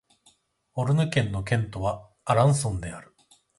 オルヌ県の県都はアランソンである